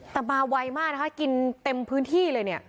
แต่มาไวมากนะคะกินเต็มพื้นที่เลยเนี่ย